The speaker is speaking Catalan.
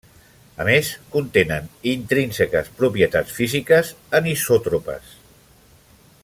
A més, contenen intrínseques propietats físiques anisòtropes.